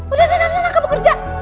udah sana sana kamu kerja